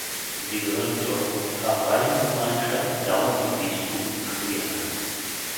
Sie gehört zur Pfarreiengemeinschaft Daun im Bistum Trier.